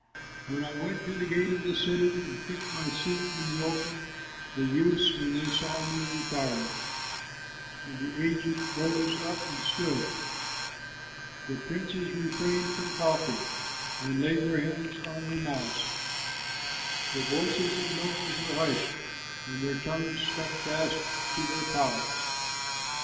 "When I went to the gate of the city, And took my seat in the open, The youths, when they saw me, retired, And the aged rose up and stood; The princes refrained from talking, And laid their hands on their mouths; The voices of nobles were hushed, And their tongues stuck fast to their palates.